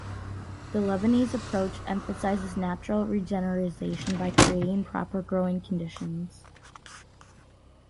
The Lebanese approach emphasizes natural regeneration by creating proper growing conditions.